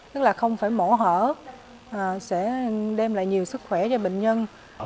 tức là không phải mổ hở sẽ đem lại nhiều sức khỏe cho bệnh nhân